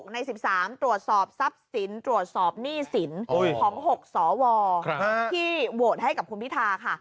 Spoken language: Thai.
ใน๑๓ตรวจสอบทรัพย์สินตรวจสอบหนี้สินของ๖สวที่โหวตให้กับคุณพิธาค่ะ